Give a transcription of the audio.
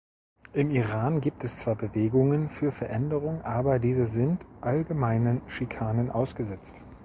Im Iran gibt es zwar Bewegungen für Veränderung, aber diese sind allgemeinen Schikanen ausgesetzt.